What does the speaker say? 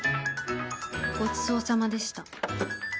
ごちそうさまでした。